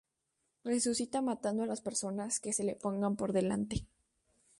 Resucita matando a las personas que se le pongan por delante.